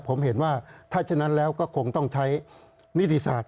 ผมเห็นว่าถ้าฉะนั้นแล้วก็คงต้องใช้นิติศาสต